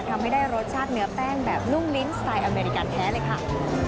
ทำให้ได้รสชาติเนื้อแป้งแบบนุ่มลิ้นสไตล์อเมริกันแท้เลยค่ะ